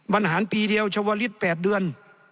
บรรหารปีเดียวชาวลิศ๘เดือน